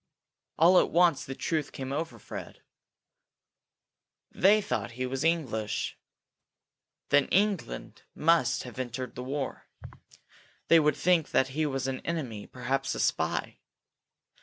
All at once the truth came over Fred. They thought he was English! Then England must have entered the war! They would think that he was an enemy, perhaps a spy!